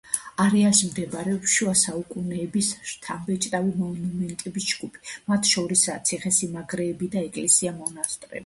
არეალში მდებარეობს შუა საუკუნეების შთამბეჭდავი მონუმენტების ჯგუფი, მათ შორისაა ციხესიმაგრეები და ეკლესია-მონასტრები.